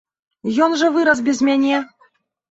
Ён жа вырас без мяне.